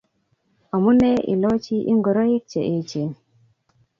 Amune ilochi ingoroik che echen.